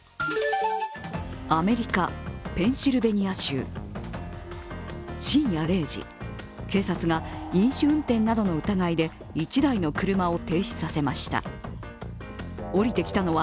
アメリカ・ペンシルベニア州深夜０時、警察が飲酒運転などの疑いで一台の車を停止させました。